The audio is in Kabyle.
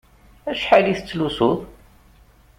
Acḥal i tettlusuḍ?